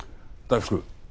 大福。